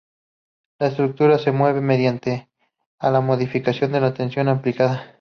La estructura se mueve mediante la modificación de la tensión aplicada.